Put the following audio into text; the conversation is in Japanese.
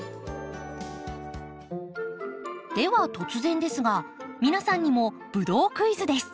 では突然ですが皆さんにもブドウクイズです。